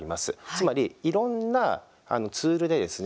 つまり、いろんなツールでですね